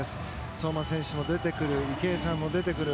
相馬選手も出てくる池江さんも出てくる。